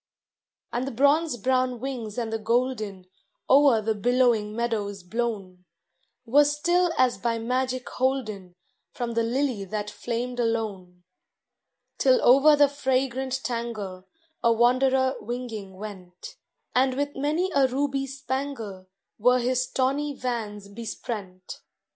And the bronze brown wings and the golden, O'er the billowing meadows blown, Were still as by magic holden From the lily that flamed alone; Till over the fragrant tangle A wanderer winging went, And with many a ruby spangle Were his tawny vans besprent.